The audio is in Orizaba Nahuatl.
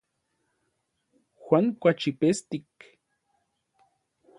Juan kuaxipestik.